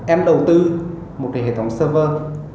em đầu tư một hệ thống server